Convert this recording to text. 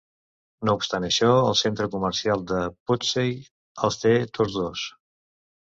No obstant això, el centre comercial de Pudsey els té tots dos.